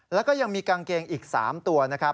แล้วก็มีกางเกงอีก๓ตัว